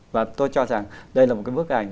và tôi cho rằng đây là một bức ảnh